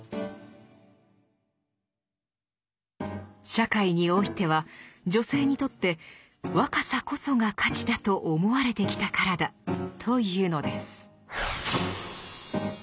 社会においては女性にとって若さこそが価値だと思われてきたからだというのです。